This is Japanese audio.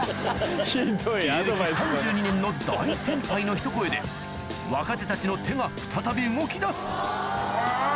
芸歴３２年の大先輩のひと声で若手たちの手が再び動きだすあぁ！